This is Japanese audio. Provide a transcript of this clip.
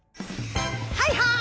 はいはい！